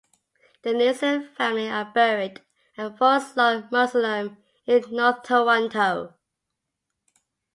The Neilson family are buried at Forest Lawn Mausoleum in north Toronto.